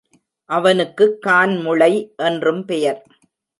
அவனுக்குக் கான்முளை என்றும் பெயர்.